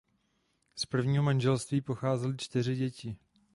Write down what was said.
Z prvního manželství pocházely čtyři děti.